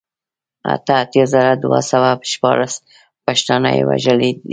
اته اتيا زره دوه سوه شپاړل پښتانه يې وژلي دي